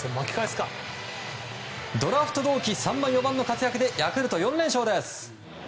ドラフト同期３番、４番の活躍でヤクルト４連勝です。